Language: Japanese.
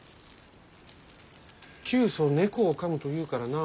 「窮鼠猫をかむ」というからな。